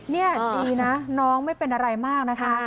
นี่ดีนะน้องไม่เป็นอะไรมากนะคะ